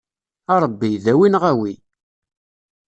A Ṛebbi, dawi neɣ awi!